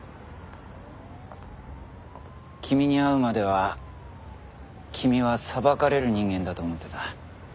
君に会うまでは君は裁かれる人間だと思ってた。